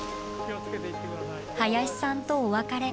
林さんとお別れ。